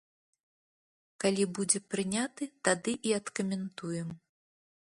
Калі будзе прыняты, тады і адкаментуем.